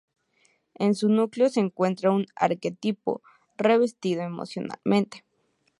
En su núcleo se encuentra un arquetipo revestido emocionalmente.